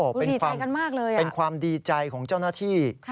ดีใจกันมากเลยอ่ะเป็นความดีใจของเจ้าหน้าที่